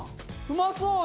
うまそう！